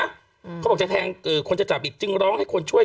เขาบอกจะแทงเอ่อคนจะจับอีกจึงร้องให้คนช่วย